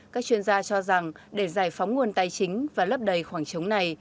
các chuyên gia cho rằng để giải phóng nguồn tài chính và lấp đầy khoảng trống này